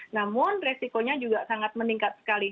namun resikonya juga sangat meningkat sekali